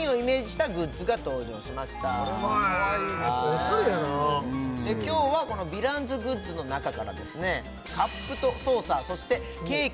オシャレやな今日はこのヴィランズグッズの中からですね